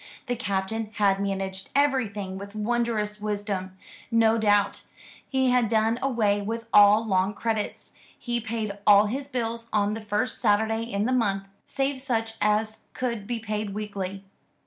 The Captain had managed everything with wondrous wisdom, no doubt. He had done away with all long credits. He paid all his bills on the first Saturday in the month, save such as could be paid weekly.